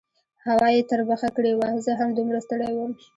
هوا یې تربخه کړې وه، زه هم دومره ستړی وم.